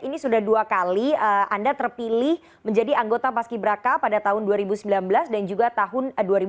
ini sudah dua kali anda terpilih menjadi anggota paski braka pada tahun dua ribu sembilan belas dan juga tahun dua ribu sembilan belas